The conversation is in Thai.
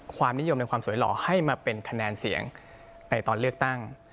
ความนิยมในความสวยหล่อให้มาเป็นคะแนนเสียงในตอนเลือกตั้ง